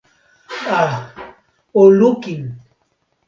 a! o lukin!